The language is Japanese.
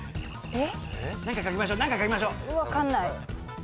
えっ。